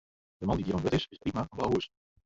De man dy't hjir oan it wurd is, is Rypma fan Blauhûs.